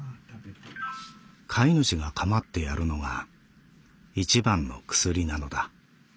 飼い主がかまってやるのが一番の薬なのだ」。